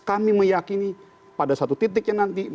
kami meyakini pada satu titiknya nanti masih ada yang bisa diambil